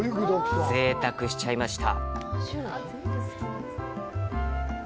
ぜいたくしちゃいました。